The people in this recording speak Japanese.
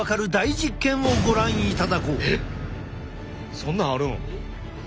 そんなんあるん？